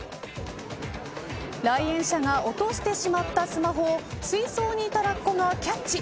来園者が落としてしまったスマホを水槽にいたラッコがキャッチ。